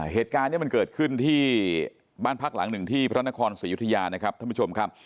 เหตุการณ์นี้มันเกิดขึ้นที่บ้านพักหลังหนึ่งที่พระนครศรียุธยานะครับท่านผู้ชมครับ